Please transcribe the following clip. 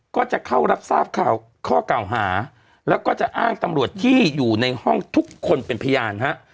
ก็จะเข้ารับทราบข่าวข้อเก่าหาแล้วก็จะอ้างตำรวจที่อยู่ในห้องทุกคนเป็นพยานฮะ